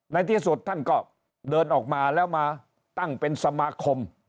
ในที่สุดท่านก็เดินออกมาแล้วมาตั้งเป็นสมาคม